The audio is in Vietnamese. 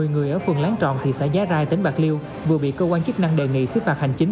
một mươi người ở phường láng tròn thị xã giá rai tỉnh bạc liêu vừa bị cơ quan chức năng đề nghị xứ phạt hành chính